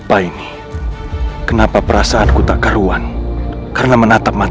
jangan pernah kejar cinta